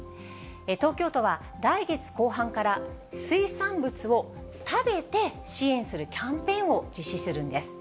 東京都は、来月後半から、水産物を食べて支援するキャンペーンを実施するんです。